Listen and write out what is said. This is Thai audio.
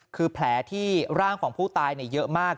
คือแผลที่ร่างของผู้ตายเยอะมาก